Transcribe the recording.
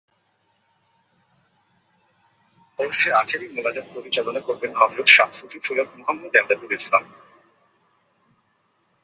ওরসে আখেরি মোনাজাত পরিচালনা করবেন হজরত শাহ সুফি সৈয়দ মুহাম্মদ এমদাদুল ইসলাম।